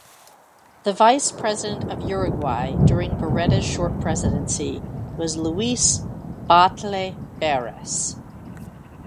The Vice President of Uruguay during Berreta's short Presidency was Luis Batlle Berres.